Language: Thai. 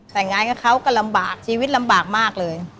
แต่งงานกับเขาก็ลำบากชีวิตลำบากมากเลย